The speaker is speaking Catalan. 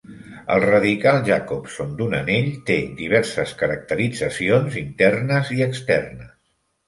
El radical Jacobson d'un anell té diverses caracteritzacions internes i externes.